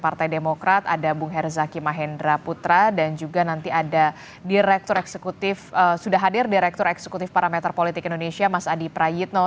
partai demokrat ada bung herzaki mahendra putra dan juga nanti ada direktur eksekutif sudah hadir direktur eksekutif parameter politik indonesia mas adi prayitno